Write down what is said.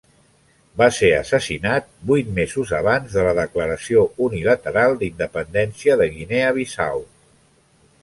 Va ser assassinat vuit mesos abans de la declaració unilateral d'independència de Guinea Bissau.